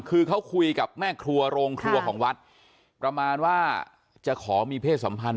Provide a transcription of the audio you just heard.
คือเขาคุยกับแม่ครัวโรงครัวของวัดประมาณว่าจะขอมีเพศสัมพันธ